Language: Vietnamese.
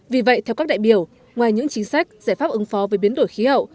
vì vậy theo các đại biểu ngoài những chính sách giải pháp ứng phó với biến đổi khí hậu